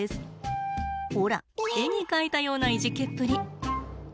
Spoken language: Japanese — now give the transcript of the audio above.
ほら絵に描いたようないじけっぷり。